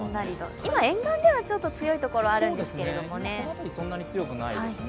今沿岸ではちょっと強いところあるんですけれどもね。